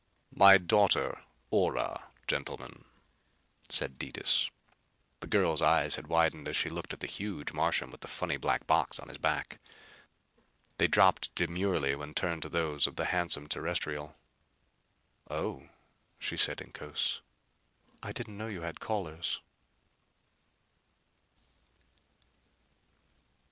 "My daughter, Ora, gentlemen," said Detis. The girl's eyes had widened as she looked at the huge Martian with the funny black box on his back. They dropped demurely when turned to those of the handsome Terrestrial. "Oh," she said, in Cos, "I didn't know you had callers."